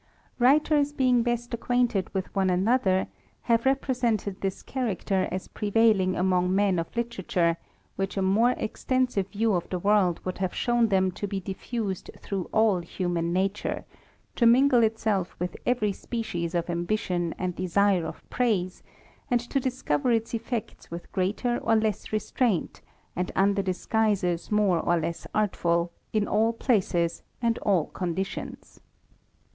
Writers being best acquainted with one another, have represented this character as prevailing among men of literature, which a more extensive view of the world would have shown them to be diffused through all human nature, to mingle itself with every species of ambition and desire of praise, and to discover its effects with greater or less restraint, and under disguises more or less artful, in all places and all conditions.